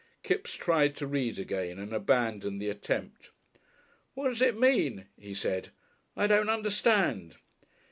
Kipps tried to read again and abandoned the attempt. "What does it mean?" he said. "I don't understand."